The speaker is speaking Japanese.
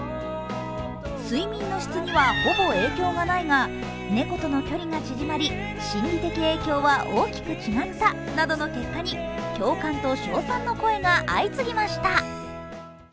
睡眠の質にはほぼ影響がないが猫との距離が縮まり、心理的影響は大きく違ったなどの結果に共感と称賛の声が相次ぎました。